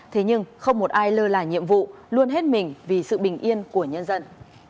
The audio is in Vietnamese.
thế nhưng không một ai lơ là nhiệm vụ luôn hết mình vì sự bình yên của nhân dân